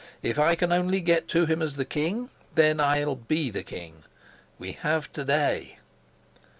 If I can only get to him as the king, then I'll be the king. We have to day!"